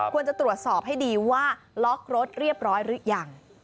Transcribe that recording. ควรจะตรวจสอบให้ดีว่าล็อกรถเรียบร้อยหรือยัง